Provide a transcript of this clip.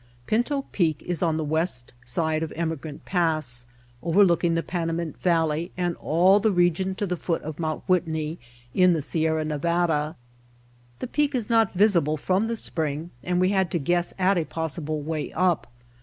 Pinto Peak is on the west side of Emigrant Pass, over looking the Panamint Valley and all the region to the foot of Mt. Whitney in the Sierra Ne vada. The peak is not visible from the spring and we had to guess at a possible way up.